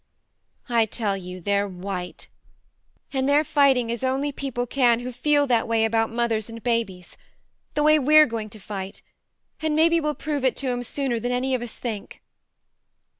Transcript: I tell you, they're white I And they're fighting as only people can who feel that way about mothers and babies. The way we're going to fight ; and maybe we'll prove it to 'em sooner than any of us think.